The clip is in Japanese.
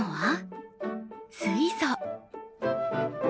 水素。